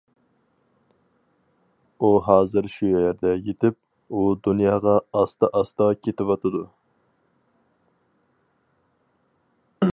ئۇ ھازىر شۇ يەردە يېتىپ، ئۇ دۇنياغا ئاستا-ئاستا كېتىۋاتىدۇ.